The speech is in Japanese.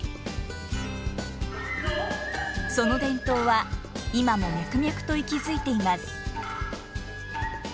その伝統は今も脈々と息づいています。